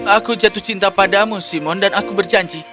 aku jatuh cinta padamu simon dan aku berjanji